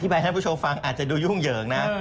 ไปให้ผู้ชมฟังอาจจะดูยุ่งเหยิงนะ